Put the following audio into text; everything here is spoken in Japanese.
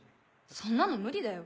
そんなの無理だよ。